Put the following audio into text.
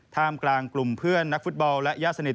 ท่ามกลางกลุ่มเพื่อนนักฟุตบอลและญาติสนิท